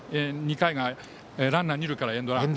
２回がランナー二塁からエンドラン。